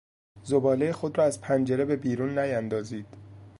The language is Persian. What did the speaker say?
زبالهی خود را از پنجره به بیرون نیاندازید.